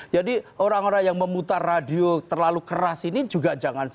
jadi orang orang yang memutar radio terlalu keras ini juga jangan saja